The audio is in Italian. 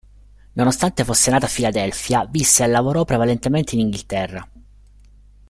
Nonostante fosse nata a Filadelfia visse e lavorò prevalentemente in Inghilterra.